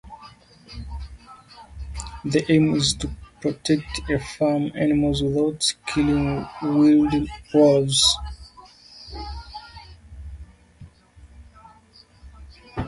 The aim is to protect farm animals without killing wild wolves.